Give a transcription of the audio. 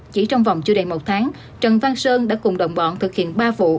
chỉ trong vòng chưa đầy một tháng trần văn sơn đã cùng đồng bọn thực hiện ba vụ